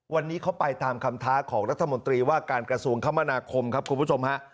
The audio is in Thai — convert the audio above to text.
วันนี้เขาไปตามคำท้าของรัฐมนตรีว่าการกระทรวงคมนาคมครับคุณผู้ชมฮะ